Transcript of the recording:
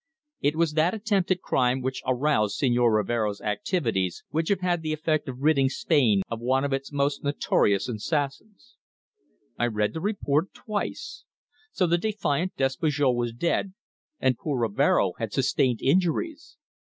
It was that attempted crime which aroused Señor Rivero's activities which have had the effect of ridding Spain of one of its most notorious assassins." I read the report twice. So the defiant Despujol was dead, and poor Rivero had sustained injuries!